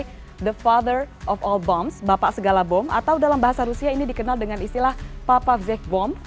yang disebut sebagai the father of all bombs bapak segala bom atau dalam bahasa rusia ini dikenal dengan istilah papa vsevbomb